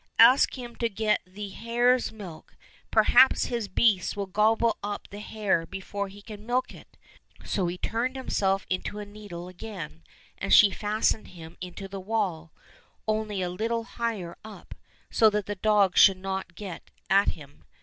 Ask him to get thee hare's milk ; perhaps his beasts will gobble up the hare before he can milk it." So he turned himself into a needle again, and she fastened him in the wall, only a little higher up, so that the dogs should not get at him.